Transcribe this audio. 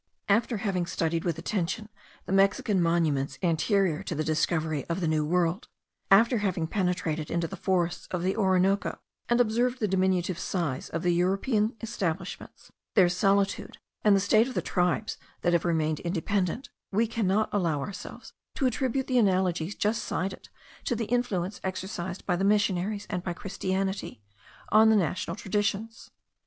After having studied with attention the Mexican monuments anterior to the discovery of the New World; after having penetrated into the forests of the Orinoco, and observed the diminutive size of the European establishments, their solitude, and the state of the tribes that have remained independent; we cannot allow ourselves to attribute the analogies just cited to the influence exercised by the missionaries, and by Christianity, on the national traditions.